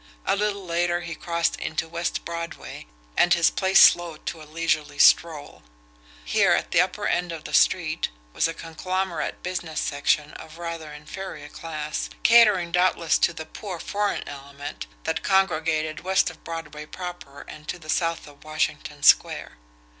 A little later he crossed into West Broadway, and his pace slowed to a leisurely stroll. Here, at the upper end of the street, was a conglomerate business section of rather inferior class, catering doubtless to the poor, foreign element that congregated west of Broadway proper, and to the south of Washington Square.